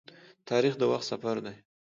تاریخ د وخت سفر دی.